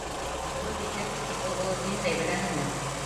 Болот итеп, тик ул болот ниндәй, беләһеңме?